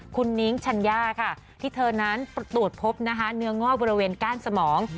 คุณนิ้งชัญญาค่ะที่เธอนั้นตรวจพบนะคะเนื้องอกบริเวณก้านสมอง